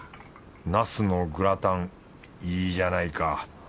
ナスのグラタンいいじゃないか。